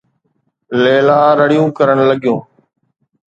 ليلا رڙيون ڪرڻ لڳيون.